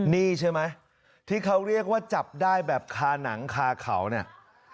นี่ใช่ไหมที่เขาเรียกว่าจับได้แบบคาหนังคาเขาเนี่ย